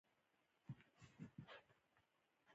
افغانستان په خپلو ولایتونو باندې پوره تکیه لري.